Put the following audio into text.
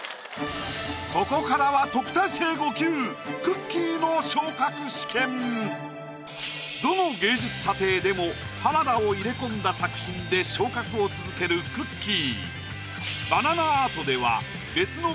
ここからはどの芸術査定でも浜田を入れ込んだ作品で昇格を続けるくっきー！。